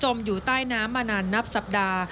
อยู่ใต้น้ำมานานนับสัปดาห์